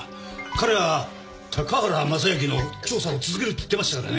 彼は高原雅之の調査を続けるって言ってましたからね。